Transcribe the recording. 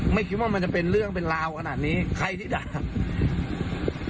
ไม่คิดว่ามันจะเป็นเรื่องเป็นราวขนาดนี้ใครที่ด่า